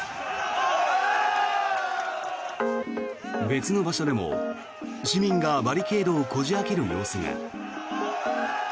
別の場所でも、市民がバリケードをこじ開ける様子が。